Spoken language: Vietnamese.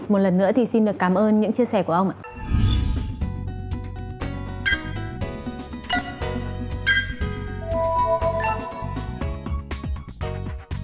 một lần nữa thì xin được cảm ơn những chia sẻ của ông ạ